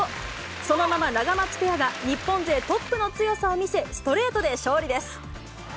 そのままナガマツペアが日本勢トップの強さを見せ、ストレートで勝利です。